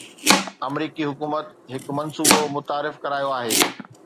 آمريڪي حڪومت هڪ منصوبو متعارف ڪرايو آهي